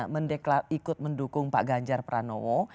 ikut mendukung pak ganjar pranowo